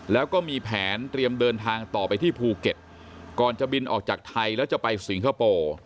แล้วก็มีแผนเตรียมเดินทางต่อไปที่ภูเก็ตก่อนจะบินออกจากไทยแล้วจะไปสิงคโปร์